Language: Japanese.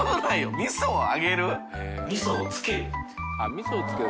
味噌をつける」